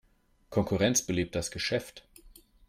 Konkurrenz belebt das Geschäft.